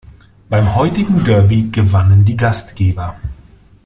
Beim heutigen Derby gewannen die Gastgeber.